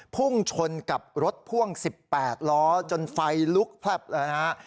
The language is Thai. พุ่งชนกับรถพ่วง๑๘ล้อจนไฟลุกพลับเลยนะฮะ